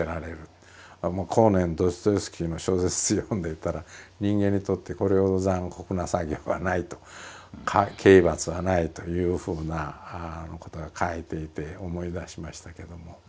後年ドストエフスキーの小説読んでいたら人間にとってこれほど残酷な作業はないと刑罰はないというふうなことが書いていて思い出しましたけども。